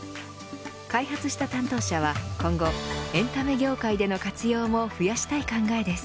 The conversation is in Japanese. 開発した担当者は今後、エンタメ業界での活用も増やしたい考えです。